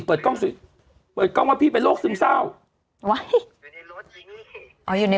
เปิดก้องว่าพี่เป็นโรคซึมเศร้า